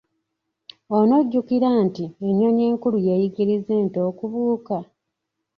Onojjukira nti ennyonyi enkulu yeeyigiriza ento okubuuka?